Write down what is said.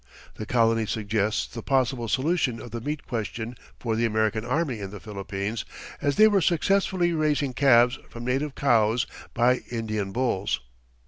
The colony suggests the possible solution of the meat question for the American army in the Philippines, as they were successfully raising calves from native cows by Indian bulls.